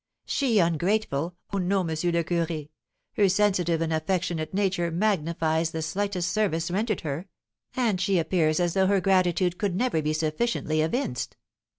"She ungrateful! Oh, no, M. le Curé! her sensitive and affectionate nature magnifies the slightest service rendered her, and she appears as though her gratitude could never be sufficiently evinced.